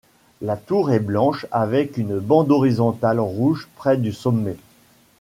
La tour est blanche avec une bande horizontale rouge près du sommet.